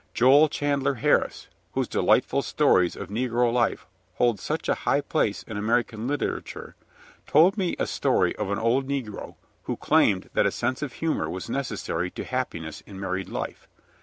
Joel Chandler Harris, whose delightful stories of negro life hold such a high place in American literature, told me a story of an old negro who claimed that a sense of humor was necessary to happiness in married life.